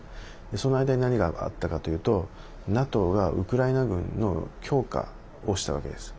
その間に何があったかというとＮＡＴＯが、ウクライナ軍の強化をしたわけです。